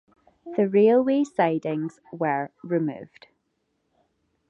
The railway sidings were removed.